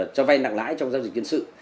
cho vai nặng lãi trong giao dịch kiến sự